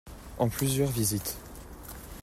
En plusieurs visites.